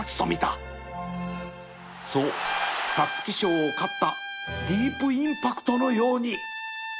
そう皐月賞を勝ったディープインパクトのように